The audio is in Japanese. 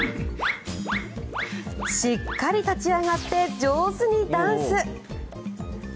しっかり立ち上がって上手にダンス。